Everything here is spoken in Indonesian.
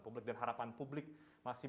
publik dan harapan publik masih